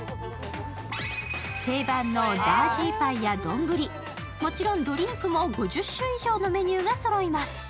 定番のダージーパイや丼、もちろんドリンクも５０種以上のメニューがそろいます。